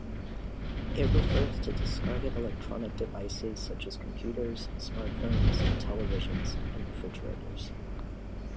It refers to discarded electronic devices such as computers, smartphones, televisions, and refrigerators.